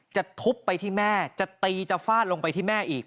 จะทุบไปที่แม่จะตีจะฟาดลงไปที่แม่อีก